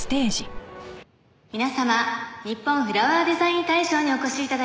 皆様ニッポンフラワーデザイン大賞にお越し頂き